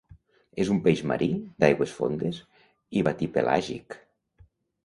És un peix marí, d'aigües fondes i batipelàgic.